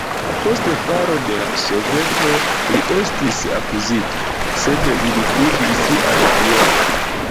Post falo de la Soveto li estis akuzita, sed li rifuĝis al Vieno.